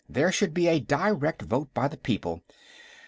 There should be a direct vote by the people.